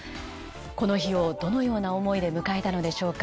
この日をどのような思いで迎えたのでしょうか。